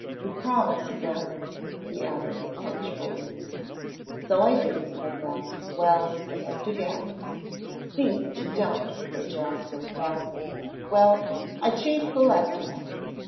You promised, Ben," he added reproachfully. "So I did," said Ben. "Well, I won't again." "See that you don't," said Jasper, laughing. "Well I choose the left hand.